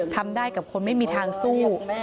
ทำได้กับคนไม่มีทางสู้